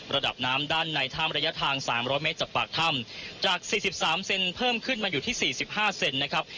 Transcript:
ระดับน้ำด้านในถ้ำระยะทาง๓๐๐เมตรจากปากถ้ำจาก๔๓เซนเพิ่มขึ้นมาอยู่ที่๔๕เซนนะครับ